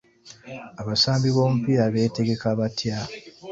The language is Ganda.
Abasambi b'omupiira beetegeka batya?